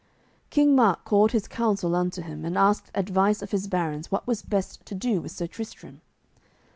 King Mark called his council unto him and asked advice of his barons what was best to do with Sir Tristram.